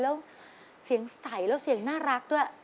แล้วเสียงใสแล้วเสียงน่ารักด้วย